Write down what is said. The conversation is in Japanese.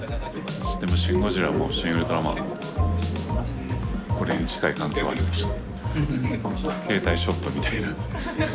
でも「シン・ゴジラ」も「シン・ウルトラマン」これに近い環境はありました。